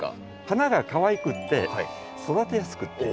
花がかわいくって育てやすくって。